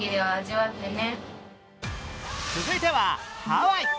続いてはハワイ。